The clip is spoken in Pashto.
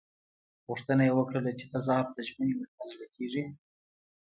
غوښتنه یې وکړه چې تزار ته ژمنې ور په زړه کړي.